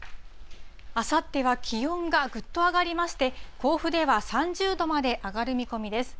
あさっては気温がぐっと上がりまして、甲府では３０度まで上がる見込みです。